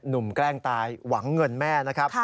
แกล้งตายหวังเงินแม่นะครับ